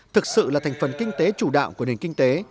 thực sự là thành phần kinh tế chủ đạo của nền kinh tế